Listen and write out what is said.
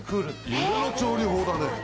夢の調理法だね。